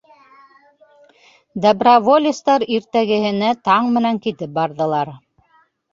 Доброволецтар иртәгеһенә таң менән китеп барҙылар.